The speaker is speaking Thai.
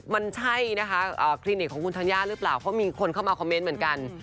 มันใช่นะคะคลินิกของคุณธัญญาหรือเปล่าเพราะมีคนเข้ามาคอมเมนต์เหมือนกัน